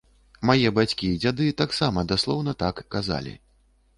Мае бацькі і дзяды таксама даслоўна так казалі.